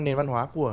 nền văn hóa của